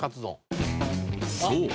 そう。